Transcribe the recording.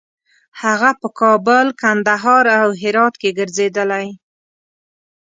هغه په کابل، کندهار او هرات کې ګرځېدلی.